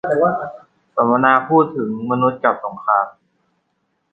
สัมมนาพูดถึงมนุษย์กับสงคราม